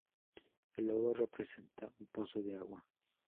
El logo representa un pozo de agua.